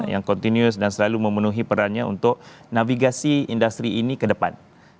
yang continuous dan selalu memenuhi perannya untuk navigasi industri ini ke depan